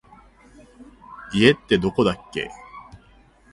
家ってどこだっけ